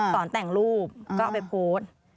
ตอนแต่งรูปก็เอาไปโพสต์